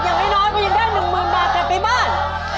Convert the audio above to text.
อย่างน้อยก็ยินได้หนึ่งหมื่นบาทให้ไปบ้าน